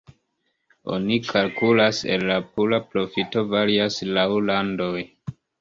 Oni kalkulas el la pura profito, varias laŭ landoj.